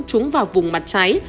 trúng vào vùng mặt trái